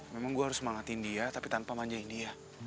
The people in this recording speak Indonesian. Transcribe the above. memang gue harus semangatin dia tapi tanpa manjain dia